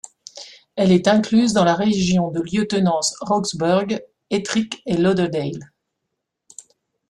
Elle est incluse dans la région de lieutenance Roxburgh, Ettrick and Lauderdale.